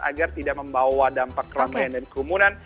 agar tidak membawa dampak kelaminan dan keumunan